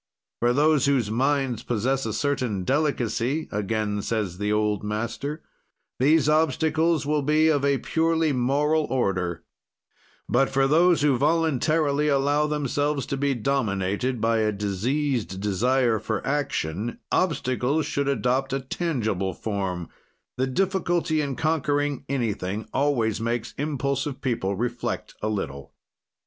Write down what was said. "For those whose mind possess a certain delicacy," again says the old master, "these obstacles will be of a purely moral order, but for those who voluntarily allow themselves to be dominated by a diseased desire for action, obstacles should adopt a tangible form; the difficulty in conquering anything always makes impulsive people reflect a little.